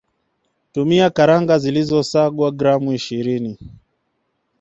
tumia karanga zilizosangwa gram ishirini